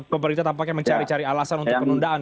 pemerintah tampaknya mencari cari alasan untuk penundaan